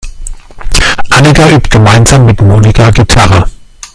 Annika übt gemeinsam mit Monika Gitarre.